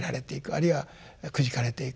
あるいはくじかれていく。